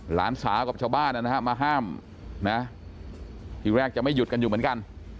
หลานสาวกับชาวบ้านนะฮะมาห้ามนะทีแรกจะไม่หยุดกันอยู่เหมือนกัน